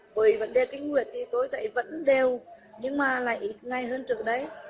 với vấn đề kinh nguyệt thì tôi thấy vẫn đều nhưng mà lại ngay hơn trước đấy